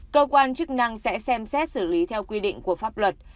cơ quan chức năng sẽ xem xét xử lý theo quy định của pháp luật